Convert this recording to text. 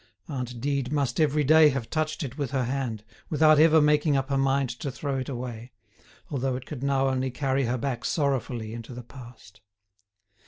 Aunt Dide must every day have touched it with her hand, without ever making up her mind to throw it away, although it could now only carry her back sorrowfully into the past.